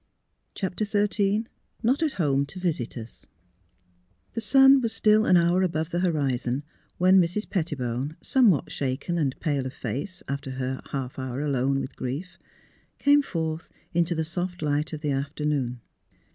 CHAPTER Xin NOT AT HOME TO VISITORS The sun was still an hour above the horizon when Mrs. Pettibone — somewhat shaken and pale of face, after her half hour alone with grief — came forth into the soft light of the afternoon.